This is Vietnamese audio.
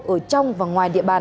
ở trong và ngoài địa bàn